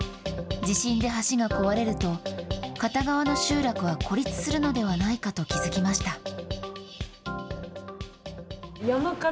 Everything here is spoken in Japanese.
地震で橋が壊れると、片側の集落は孤立するのではないかと気付きました。